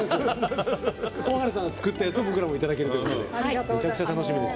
大原さんが作ったものを僕らもいただけるということでめちゃくちゃ楽しみです。